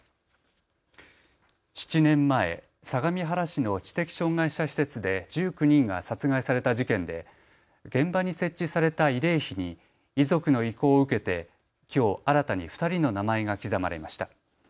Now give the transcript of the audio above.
７年前、相模原市の知的障害者施設で１９人が殺害された事件で現場に設置された慰霊碑に遺族の意向を受けてきょう新たに２人の名前が刻まれました。